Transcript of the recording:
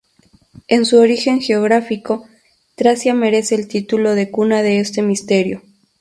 En su origen geográfico, Tracia merece el título de cuna de este misterio.